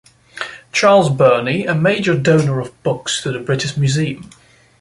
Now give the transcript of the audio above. Charles Burney, a major donor of books to the British Museum.